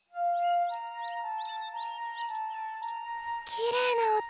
きれいな音！